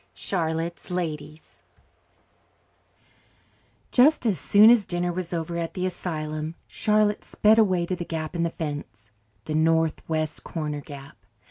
Charlotte's Ladies Just as soon as dinner was over at the asylum, Charlotte sped away to the gap in the fence the northwest corner gap.